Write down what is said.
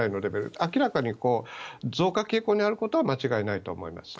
明らかに増加傾向にあることは間違いないと思います。